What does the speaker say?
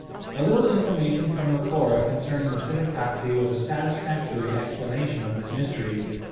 A little information from Macora concerning Moselekatse was a satisfactory explanation of this mystery.